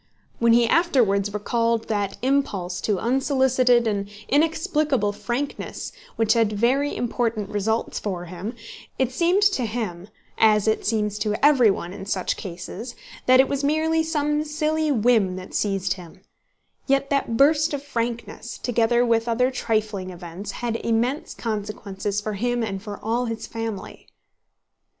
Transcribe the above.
When he afterwards recalled that impulse to unsolicited and inexplicable frankness which had very important results for him, it seemed to him—as it seems to everyone in such cases—that it was merely some silly whim that seized him: yet that burst of frankness, together with other trifling events, had immense consequences for him and for all his family.